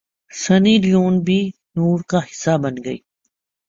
سنی Leone بھی نور کا حصہ بن گئیں